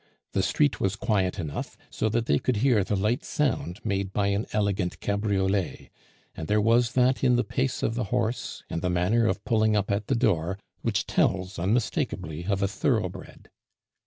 The street was quiet enough, so that they could hear the light sound made by an elegant cabriolet; and there was that in the pace of the horse, and the manner of pulling up at the door, which tells unmistakably of a thoroughbred.